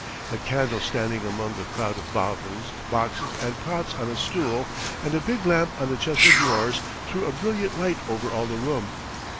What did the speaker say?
A candle standing among a crowd of bottles, boxes, and pots on a stool and a big lamp on the chest of drawers threw a brilliant light over all the room.